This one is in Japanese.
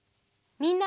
みんな！